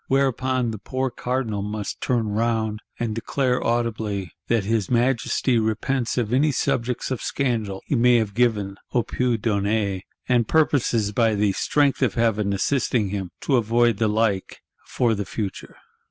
Whereupon the poor Cardinal must turn round; and declare audibly; 'That his Majesty repents of any subjects of scandal he may have given (a pu donner); and purposes, by the strength of Heaven assisting him, to avoid the like—for the future!